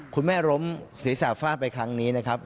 คุณแม่ล้มศีรษะฟาดไปครั้งนี้นะครับ